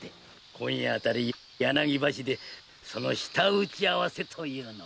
今夜あたり柳橋でその下打ち合わせというのは。